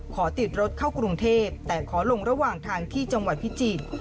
ขอติดรถเข้ากรุงเทพแต่ขอลงระหว่างทางที่จังหวัดพิจิตร